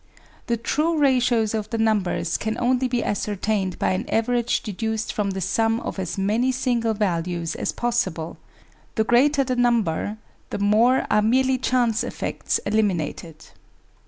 The true ratios of the numbers can only be ascertained by an average deduced from the sum of as many single values as possible ; the greater the number, the more are merely chance effects eliminated.